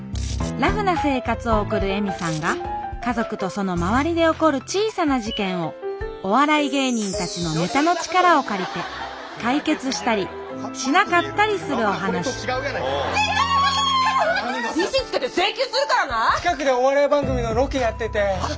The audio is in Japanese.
ラフな生活を送る恵美さんが家族とその周りで起こる小さな事件をお笑い芸人たちのネタの力を借りて解決したりしなかったりするお話利子つけて請求するからな⁉近くでお笑い番組のロケやってて。